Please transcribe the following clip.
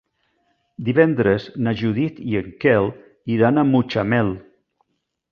Divendres na Judit i en Quel iran a Mutxamel.